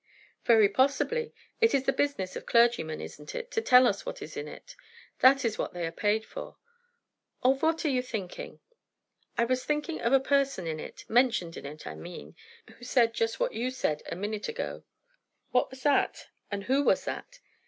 "Very possibly. It is the business of clergymen, isn't it, to tell us what is in it? That is what they are paid for. Of what are you thinking?" "I was thinking of a person in it, mentioned in it, I mean, who said just what you said a minute ago." "What was that? And who was that?"